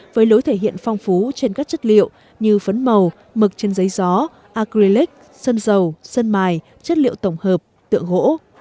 với lối thể hiện phong phú trên các chất liệu như phấn màu mực trên giấy gió acrux sân dầu sân mài chất liệu tổng hợp tượng gỗ